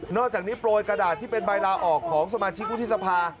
อกจากนี้โปรยกระดาษที่เป็นใบลาออกของสมาชิกวุฒิสภา